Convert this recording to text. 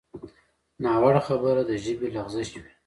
ناوړه خبره د ژبې لغزش وي